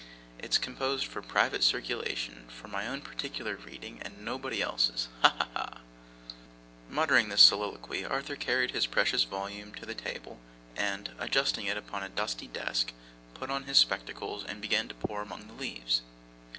It's composed for private circulation, for my own particular reading, and nobody else's. He, he, he!' Muttering this soliloquy, Arthur carried his precious volume to the table, and, adjusting it upon a dusty desk, put on his spectacles, and began to pore among the leaves.